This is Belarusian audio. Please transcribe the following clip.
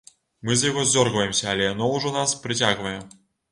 Мы з яго здзёргваемся, але яно ўжо нас прыцягвае.